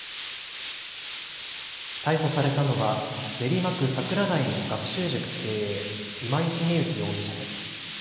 逮捕されたのは練馬区桜台の学習塾経営、今井茂幸容疑者です。